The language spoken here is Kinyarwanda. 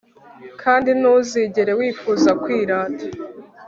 Kandi ntuzigere wifuza kwirata